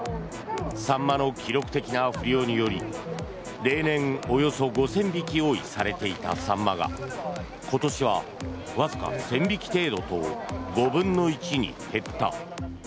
サンマの記録的な不漁により例年、およそ５０００匹用意されていたサンマが今年はわずか１０００匹程度と５分の１に減った。